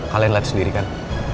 kalian lihat sendiri kan